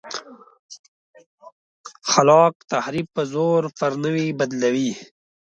خلاق تخریب زوړ پر نوي بدلوي.